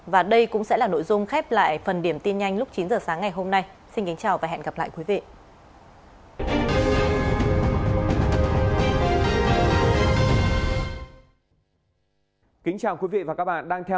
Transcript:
và đây cũng sẽ là nội dung khép lại phần điểm tin nhanh